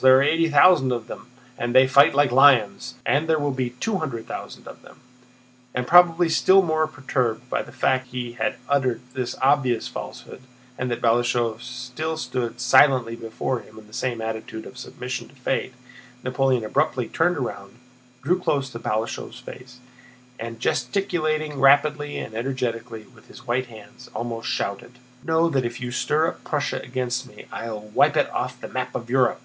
There are eighty thousand of them and they fight like lions. And there will be two hundred thousand of them." And probably still more perturbed by the fact that he had uttered this obvious falsehood, and that Balashëv still stood silently before him in the same attitude of submission to fate, Napoleon abruptly turned round, drew close to Balashëv's face, and, gesticulating rapidly and energetically with his white hands, almost shouted: "Know that if you stir up Prussia against me, I'll wipe it off the map of Europe!"